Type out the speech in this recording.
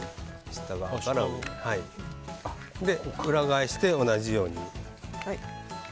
裏返して、同じように。